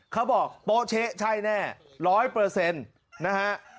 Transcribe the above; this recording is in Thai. เขาบอกโป๊ะเช๊ะใช่แน่ร้อยเปอร์เซ็นต์นะฮะ